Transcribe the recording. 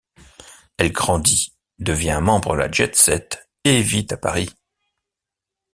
Elle grandit, devient un membre de la jet set et vit à Paris.